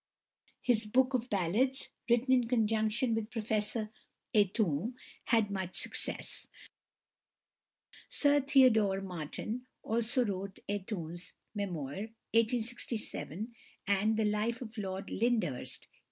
His "Book of Ballads," written in conjunction with Professor Aytoun, had much success. Sir Theodore Martin also wrote Aytoun's "Memoir" (1867), and "The Life of Lord Lyndhurst" (1883).